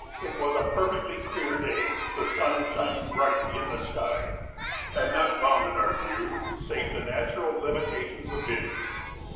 It was a perfectly clear day, the sun shining brightly in the sky, and naught bounded our view save the natural limitations of vision.